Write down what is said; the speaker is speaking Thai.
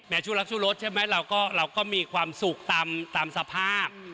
แม้ชู้รักชู้ลดเราก็มีความสุขตามสภาพ